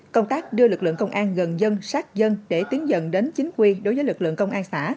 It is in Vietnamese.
công tác đưa lực lượng công an gần dân sát dân để tiến dần đến chính quy đối với lực lượng công an xã